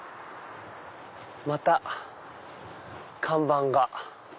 また看板が。